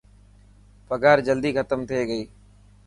پگهار جلدي ختم ٿي گئي.